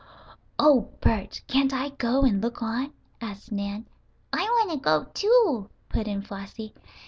"Oh, Bert, can't I go and look on?" asked Nan. "I want to go, too," put in Flossie.